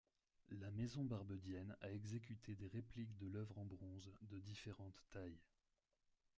La Maison Barbedienne a exécuté des répliques de l'œuvre en bronze de différentes tailles.